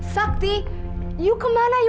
sakti you kemana